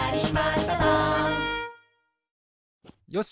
よし！